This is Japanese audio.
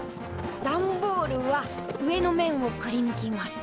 段ボールは上の面をくりぬきます。